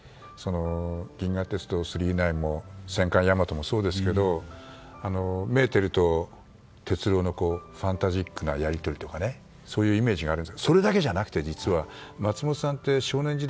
「銀河鉄道９９９」も「戦艦ヤマト」もそうですけどメーテルと鉄郎のファンタジックなやり取りやそういうイメージがあるんですがそれだけじゃなくて、実は松本さんって少年時代